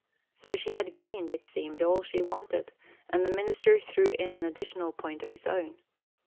So she had gained, it seemed, all she wanted, and the Minister threw in an additional point of his own.